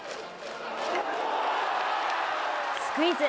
スクイズ。